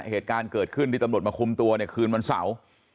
เหตุการณ์เกิดขึ้นที่ตำรวจมาคุมตัวเนี่ยคืนวันเสาร์